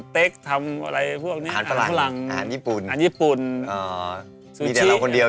ก็ทำอะไรอร่อย